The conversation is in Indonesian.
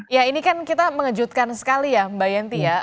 ya ini kan kita mengejutkan sekali ya mbak yanti ya